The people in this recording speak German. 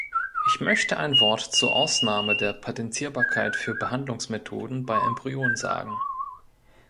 Ich möchte ein Wort zur Ausnahme der Patentierbarkeit für Behandlungsmethoden bei Embryonen sagen.